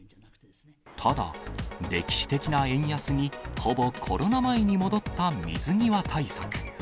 ただ、歴史的な円安に、ほぼコロナ前に戻った水際対策。